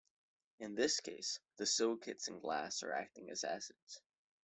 In this case, the silicates in glass are acting as acids.